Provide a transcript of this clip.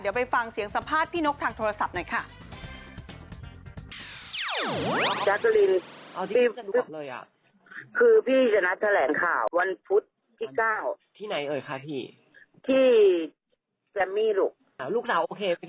เดี๋ยวไปฟังเสียงสัมภาษณ์พี่นกทางโทรศัพท์หน่อยค่ะ